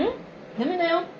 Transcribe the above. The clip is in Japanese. ダメだよ。